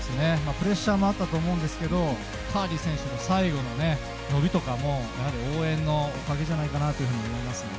プレッシャーもあったと思うんですけどカーリー選手の最後の伸びとかも応援のおかげじゃないかなと思いますね。